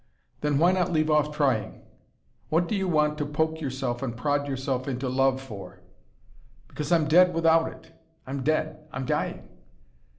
"Then why not leave off trying! What do you want to poke yourself and prod yourself into love, for?" "Because I'm DEAD without it. I'm dead. I'm dying."